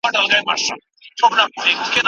هغوی بايد خپل مسؤليت درک کړي.